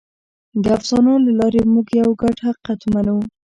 د افسانو له لارې موږ یو ګډ حقیقت منو.